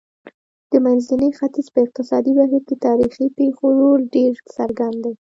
د منځني ختیځ په اقتصادي بهیر کې تاریخي پېښو رول ډېر څرګند دی.